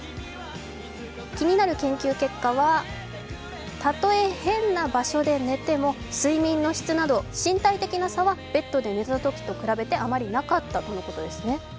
気になる研究結果は、たとえ変な場所で寝ても睡眠の質など身体的な差はベッドで寝たときと比べてあまりなかったということです。